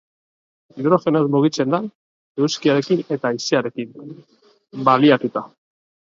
Hidrogenoz mugitzen da, eguzkiarekin eta haizearekin baliatuta.